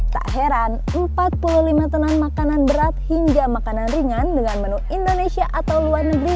tak heran empat puluh lima tenan makanan berat hingga makanan ringan dengan menu indonesia atau luar negeri